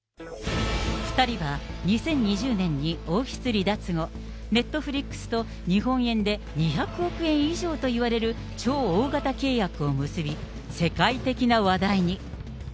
２人は２０２０年に王室離脱後、ネットフリックスと日本円で２００億円以上といわれる超大型契約を結び、世界的な話題に。